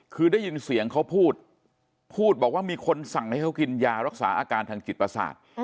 คือได้ยินเสียงเขาพูดพูดบอกว่ามีคนสั่งให้เขากินยารักษาอาการทางจิตประสาท